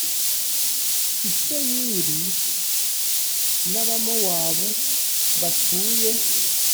i Seyiri r n Abamowabu s batuye